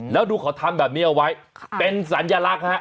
แล้วดูเขาทำแบบนี้เอาไว้เป็นสัญลักษณ์ฮะ